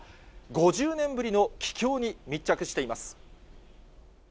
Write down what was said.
５０年ぶりの帰郷に密着しています。